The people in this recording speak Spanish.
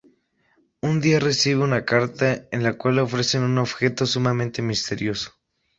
Un día recibe una carta en la cual le ofrecen un objeto sumamente misterioso.